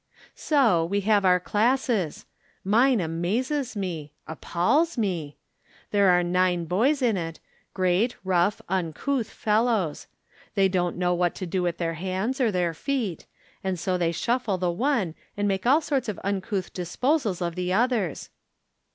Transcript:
So we have our classes. Mine amazes me — appalls me ! There are nine boys in it ; great, rough, uncouth fellows. They don't know what to do with their hands or their feet ; and so they shuffle the one and make all sorts of uncouth disposals of the others.